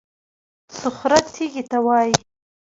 صخره تېږې ته وایي.